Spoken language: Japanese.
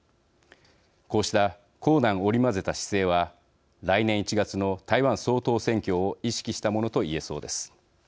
こうした硬軟織り交ぜた姿勢は来年１月の台湾総統選挙を意識したものと言えそうです。